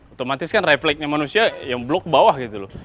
otomatis kan refleknya manusia yang blok bawah gitu loh